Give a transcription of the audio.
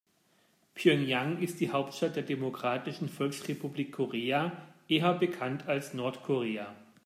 Pjöngjang ist die Hauptstadt der Demokratischen Volksrepublik Korea, eher bekannt als Nordkorea.